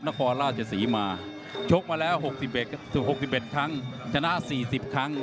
นครราชศรีมาชกมาแล้วหกสิบเอ็ดหกสิบเอ็ดครั้งชนะสี่สิบครั้ง